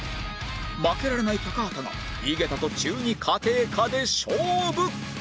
負けられない高畑が井桁と中２家庭科で勝負